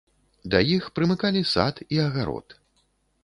Да іх прымыкалі сад і агарод.